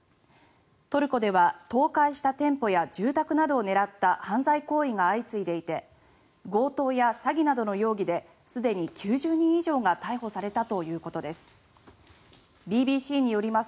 トルコでは倒壊した店舗や住宅などを狙った犯罪行為が相次いでいて強盗や詐欺などの容疑ですでに９０人以上が逮捕されたということです。